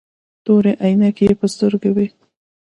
تورې عينکې يې په سترګو وې.